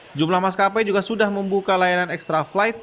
sejumlah maskapai juga sudah membuka layanan ekstra flight